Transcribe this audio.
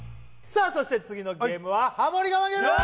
さあそして次のゲームはハモリ我慢